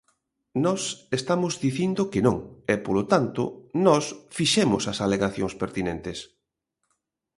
Nós estamos dicindo que non, e, polo tanto, nós fixemos as alegacións pertinentes.